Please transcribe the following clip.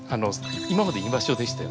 今まで居場所でしたよね。